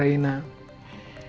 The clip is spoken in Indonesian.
terima kasih pak